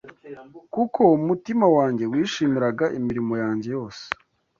kuko umutima wanjye wishimiraga imirimo yanjye yose